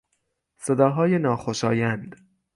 صداهای ناخوشایند